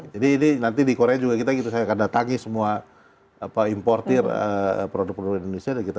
jadi nanti di korea juga kita akan datangi semua importer produk produk indonesia